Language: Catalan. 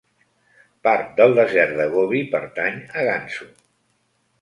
Part del desert de Gobi pertany a Gansu.